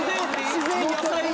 自然野菜で！